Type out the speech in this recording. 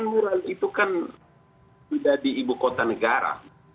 mural itu kan sudah di ibu kota negara